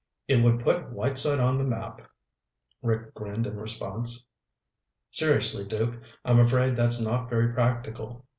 "It would put Whiteside on the map," Rick grinned in response. "Seriously, Duke, I'm afraid that's not very practical.